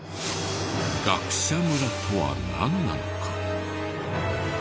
学者村とはなんなのか？